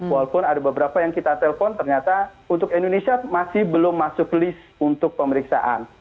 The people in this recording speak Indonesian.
walaupun ada beberapa yang kita telpon ternyata untuk indonesia masih belum masuk list untuk pemeriksaan